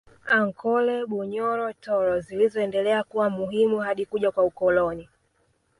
Ankole Bunyoro Toro zilizoendelea kuwa muhimu hadi kuja kwa ukoloni